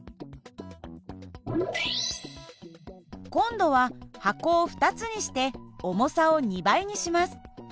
今度は箱を２つにして重さを２倍にします。